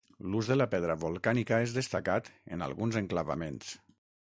L'ús de la pedra volcànica és destacat en alguns enclavaments.